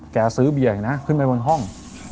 แกซื้อเบียร์นะขึ้นไปบนห้อง